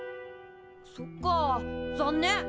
そっか残念。